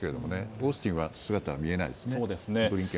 オースティンは姿見えないですね。